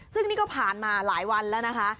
ซึ่งนี่ก็ผ่านมาหลายวันแล้วนะคะ